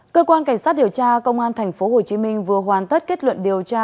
cơ quan cảnh sát điều tra công an tp hcm vừa hoàn tất kết luận điều tra